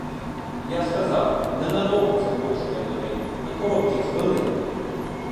Я сказав, ненадовго заходжу я до неї, на короткі хвилини.